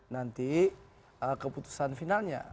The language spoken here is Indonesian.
nanti keputusan finalnya